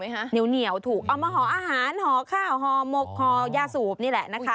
เหนียวถูกเอามาห่ออาหารห่อข้าวห่อหมกห่อยาสูบนี่แหละนะคะ